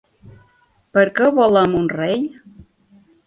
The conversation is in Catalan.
Per què volem un rei?